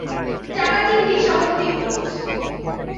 চাকা চিংড়ি সামুদ্রিক মাছ।